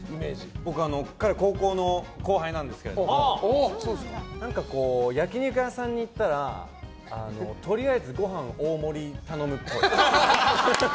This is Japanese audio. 僕、彼は高校の後輩なんですけど焼き肉屋さんに行ったらとりあえずご飯大盛り頼むっぽい。